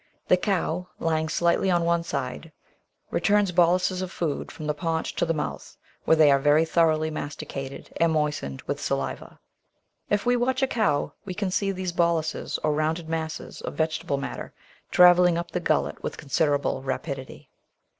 The cow, lying slightly on one side, returns boluses of food from the paunch to the mouth, where they are very thoroughly masticated and moistened with saliva. If we watch a cow we can see these boluses or rounded masses of vegetable matter travelling up the gullet with consider able rapidity.